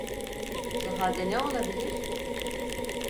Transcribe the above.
Şu halde ne olabilir?